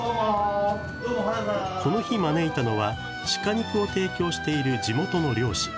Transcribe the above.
この日招いたのは、鹿肉を提供している地元の猟師。